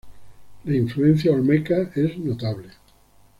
La influencia Olmeca es notable.